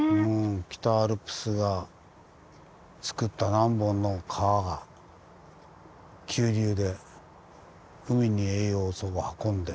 北アルプスがつくった何本の川が急流で海に栄養を運んで。